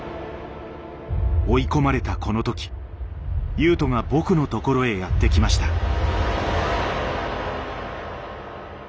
追い込まれたこの時雄斗が僕の所へやって来ました。